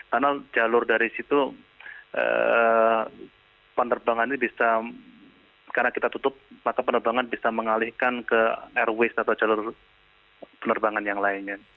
karena jalur dari situ penerbangan ini bisa karena kita tutup maka penerbangan bisa mengalihkan ke airways atau jalur penerbangan yang lainnya